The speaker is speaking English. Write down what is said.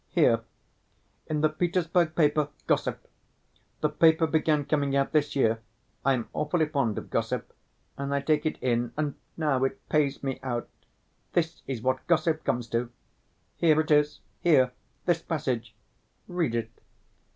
Here, in the Petersburg paper Gossip. The paper began coming out this year. I am awfully fond of gossip, and I take it in, and now it pays me out—this is what gossip comes to! Here it is, here, this passage. Read it."